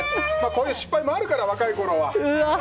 こういう失敗もあるから若いころは。